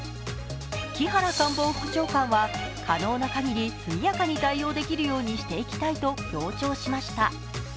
木原官房副長官は、可能な限り速やかに対応できるようにしていきたいと強調しました。